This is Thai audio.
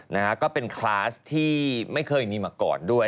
นะฮะก็เป็นคลาสที่ไม่เคยมีมาก่อนด้วย